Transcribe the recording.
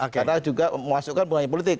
karena juga menghasilkan pengalaman politik